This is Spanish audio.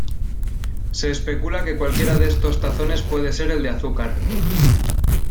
Se especula que cualquiera de estos tazones puede ser el de Azúcar.